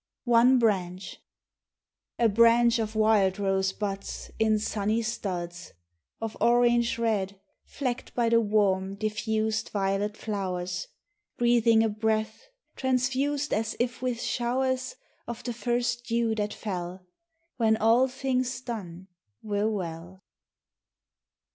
ONE BRANCH. A BRANCH of wild rose buds In sunny studs Of orange red, flecked by the warm, diffused, Violet flowers, Breathing a breath transfused As if with showers Of the first dew that fell When all things done were well.